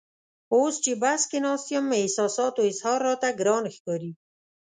اوس چې بس کې ناست یم احساساتو اظهار راته ګران ښکاري.